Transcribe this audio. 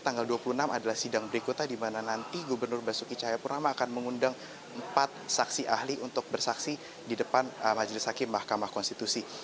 tanggal dua puluh enam adalah sidang berikutnya di mana nanti gubernur basuki cahayapurnama akan mengundang empat saksi ahli untuk bersaksi di depan majelis hakim mahkamah konstitusi